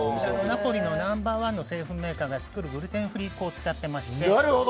ナポリのナンバー１の製粉メーカーが作る、グルテンフリー粉を使っていまして。